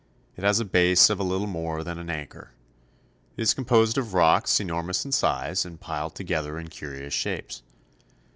It has a base of a little more than an acre. It is composed of rocks enormous in size and piled together in curious shapes.